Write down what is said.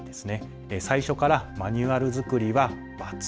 最初からマニュアル作りは×。